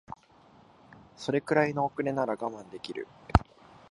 それぐらいの遅れなら我慢できる